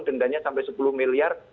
dendanya sampai sepuluh miliar